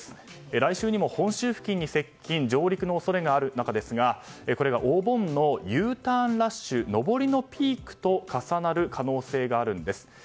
来週にも本州付近に接近・上陸の恐れがある中お盆のＵターンラッシュ上りのピークと重なる可能性があるんです。